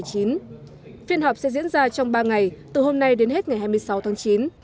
phiên họp sẽ diễn ra trong ba ngày từ hôm nay đến hết ngày hai mươi sáu tháng chín